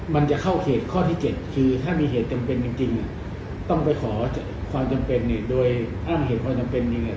มันจะเข้าเขตข้อที่๗คือถ้ามีเหตุจำเป็นจริงต้องไปขอความจำเป็นเนี่ยโดยอ้างเหตุความจำเป็นยังไง